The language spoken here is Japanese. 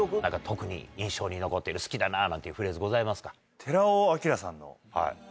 特に印象に残っている好きだななんていうフレーズございますか？